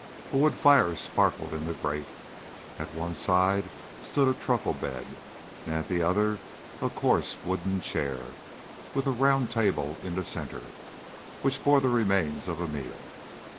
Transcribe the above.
A wood fire sparkled in the grate. At one side stood a truckle bed, and at the other a coarse wooden chair, with a round table in the centre, which bore the remains of a meal.